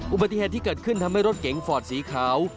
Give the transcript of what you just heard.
อุบัติเหตุที่เกิดขึ้นทำให้รถเก๋งฟอร์ดสีขาว